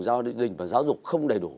giao đình và giáo dục không đầy đủ